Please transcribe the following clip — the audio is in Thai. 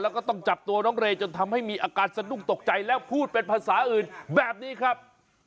แล้วก็ต้องจับตัวน้องเรย์จนทำให้มีอาการสะดุ้งตกใจแล้วพูดเป็นภาษาอื่นแบบนี้ครับ